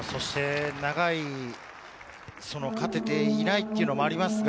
長く勝てていないということもありますが、